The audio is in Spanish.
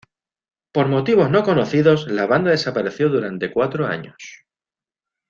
Por motivos no conocidos, la banda desapareció durante cuatro años.